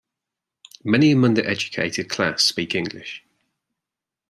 Many among the educated class speak English.